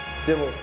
でも